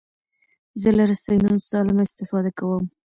زه له رسنیو سالمه استفاده کوم.